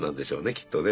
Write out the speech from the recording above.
きっとね